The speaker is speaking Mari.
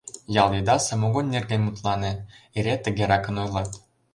Ял еда самогон нерген мутлане — эре тыгеракын ойлат.